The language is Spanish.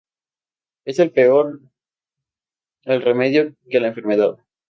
Es peor el remedio que la enfermedad